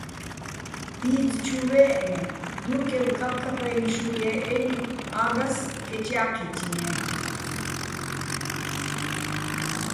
ბიძ ჩუ ვე́ჸეჼ, დურკევ ქაფქაფა́ჲნო̆ შურ ჲე́ჸენი̆, ა́გას კეჭ ჲა́ჴითიეჼ.